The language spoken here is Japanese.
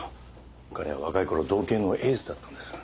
彼は若いころ道警のエースだったんです。